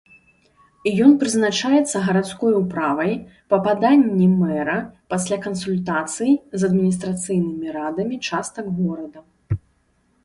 Ён прызначаецца гарадской управай па паданні мэра пасля кансультацый з адміністрацыйнымі радамі частак горада.